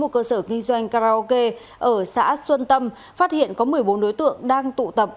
một cơ sở kinh doanh karaoke ở xã xuân tâm phát hiện có một mươi bốn đối tượng đang tụ tập